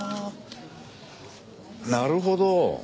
なるほど。